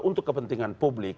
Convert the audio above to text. untuk kepentingan publik